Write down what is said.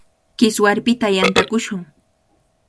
Kiswarpita yantakushun.